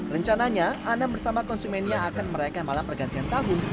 rencananya anam bersama konsumennya akan merayakan malam pergantian tahun